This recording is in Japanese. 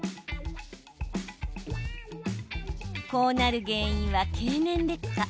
こうなる原因は経年劣化。